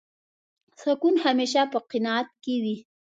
سکون همېشه په قناعت کې وي.